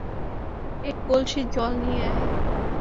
এক কলসি জল নিয়ে আয়।